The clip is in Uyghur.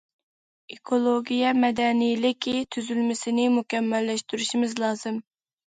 ئېكولوگىيە مەدەنىيلىكى تۈزۈلمىسىنى مۇكەممەللەشتۈرۈشىمىز لازىم.